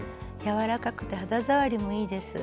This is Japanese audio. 柔らかくて肌触りもいいです。